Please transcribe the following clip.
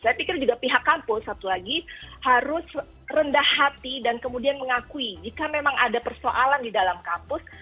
saya pikir juga pihak kampus satu lagi harus rendah hati dan kemudian mengakui jika memang ada persoalan di dalam kampus